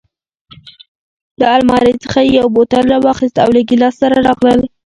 له المارۍ څخه یې یو بوتل راواخیست او له ګیلاس سره راغلل.